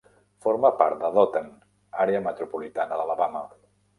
Forma part de Dothan, àrea metropolitana d'Alabama.